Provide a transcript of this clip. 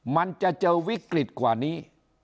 มันจะเจอวิกฤตกว่านี้